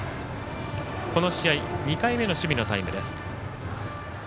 この試合２回目の守備のタイムです。